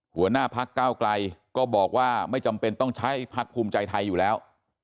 หัวหน้าพักเก้าไกลก็บอกว่าไม่จำเป็นต้องใช้พักภูมิใจไทยอยู่แล้ว